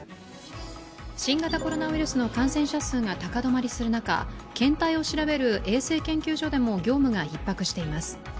新型コロナウイルスの感染者数が高止まりする中、検体を調べる衛生研究所でも業務がひっ迫しています。